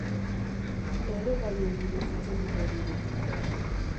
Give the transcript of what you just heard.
Erregaiei buruz hitz egingo digu.